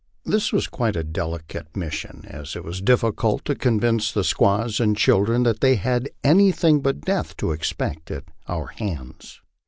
This was quite a delicate mis sion, as it was difficult to convince the squaws and children that they had any thing but death to expect at our hands.